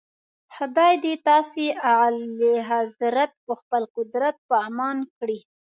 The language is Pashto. خدای دې تاسي اعلیحضرت په خپل قدرت په امان کړي.